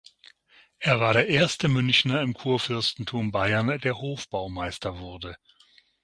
Er war der erste Münchner im Kurfürstentum Bayern, der Hofbaumeister wurde.